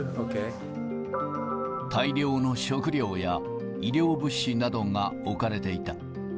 大量の食料や医療物資などが置かれていた。